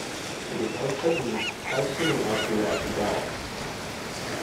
It is uncertain how soon after that he died.